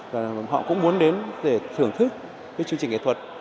và họ cũng muốn đến để thưởng thức cái chương trình nghệ thuật